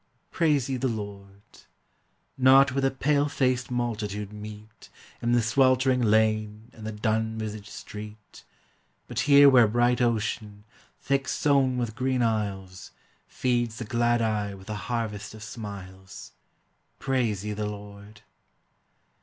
Praise ye the Lord! Not where the pale faced multitude meet In the sweltering lane and the dun visaged street, But here where bright ocean, thick sown with green isles, Feeds the glad eye with a harvest of smiles, Praise ye the Lord!